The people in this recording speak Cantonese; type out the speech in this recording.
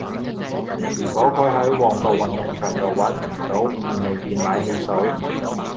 如果佢喺旺角運動場道搵唔到便利店買汽水